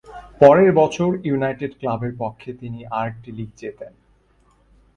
পরের বছর ইউনাইটেড ক্লাবের পক্ষে তিনি আরেকটি লীগ জেতেন।